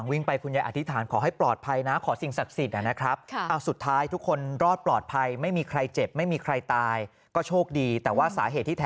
ได้ยินเสียงระเบิดปุ้งก็ลุกออกมาดู